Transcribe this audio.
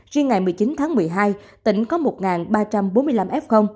riêng ngày một mươi chín tháng một mươi hai tỉnh có một ba trăm bốn mươi năm f